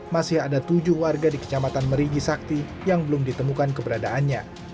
masih ada tujuh warga di kecamatan merigi sakti yang belum ditemukan keberadaannya